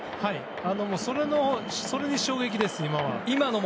それに衝撃です、今は。